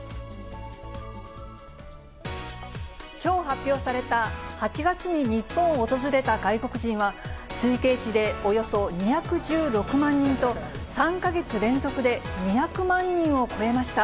きょう発表された８月に日本を訪れた外国人は、推計値でおよそ２１６万人と、３か月連続で２００万人を超えました。